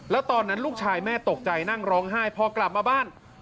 แล้วตอนนั้นลูกชายแม่ตกใจนั่งร้องไห้พอกลับมาบ้าน